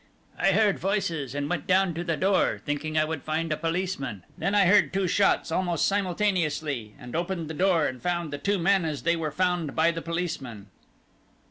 "I heard voices and went down to the door, thinking I would find a policeman then I heard two shots almost simultaneously, and opened the door and found the two men as they were found by the policeman."